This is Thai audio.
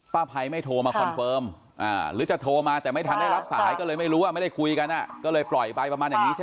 ป้าไพโทรมาคอนเฟิร์มอ่าหรือจะโทรมาแต่ไม่ทันรับก็เลยไม่รู้ไม่ได้คุยกันก็เลยปล่อยใบประมาณเนี่ยใช่